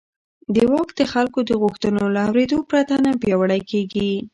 واک د خلکو د غوښتنو له اورېدو پرته نه پیاوړی کېږي.